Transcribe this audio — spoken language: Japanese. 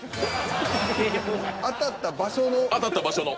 その当たった場所の。